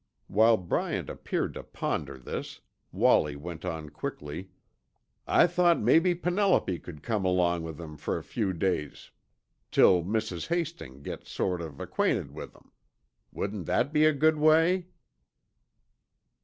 While Bryant appeared to ponder this, Wallie went on quickly. "I thought maybe Penelope could come along with 'em fer a few days, till Mrs. Hastings gets sort of acquainted with 'em. Wouldn't that be a good way?"